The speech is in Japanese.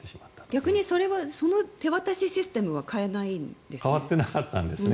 逆にその手渡しシステムは変えないんですか？